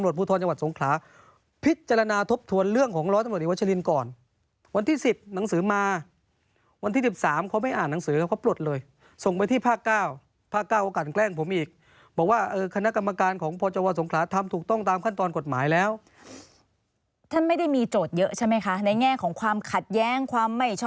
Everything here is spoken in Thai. โดนเขาแจ้งความค่ะ